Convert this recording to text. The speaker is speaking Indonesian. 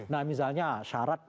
nah misalnya syarat